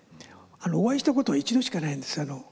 お会いしたことは一度しかないんですよ。